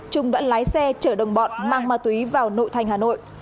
trung đã lái xe chở đồng bọn mang ma túy vào nội thành hà nội